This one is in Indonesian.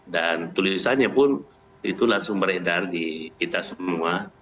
dan tulisannya pun itu langsung beredar di kita semua